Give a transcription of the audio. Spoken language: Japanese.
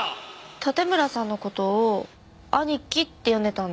盾村さんの事を兄貴って呼んでたんだ。